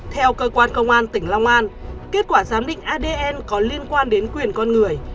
theo cơ quan công an tỉnh long an kết quả giám định adn có liên quan đến quyền con người